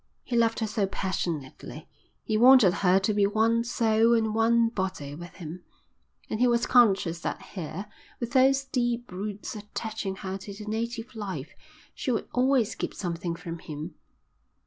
He loved her so passionately, he wanted her to be one soul and one body with him; and he was conscious that here, with those deep roots attaching her to the native life, she would always keep something from him.